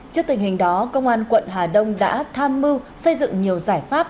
trước tình hình đó công an quận hà đông đã tham mưu xây dựng nhiều giải pháp